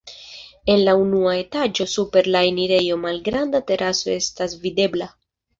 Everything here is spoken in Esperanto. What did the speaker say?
En la unua etaĝo super la enirejo malgranda teraso estas videbla.